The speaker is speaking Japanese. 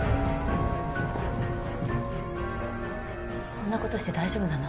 こんな事して大丈夫なの？